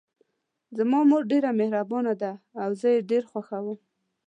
زما مور ډیره مهربانه ده او زه یې ډېر خوښوم